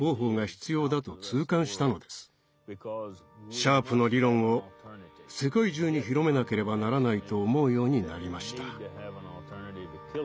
シャープの理論を世界中に広めなければならないと思うようになりました。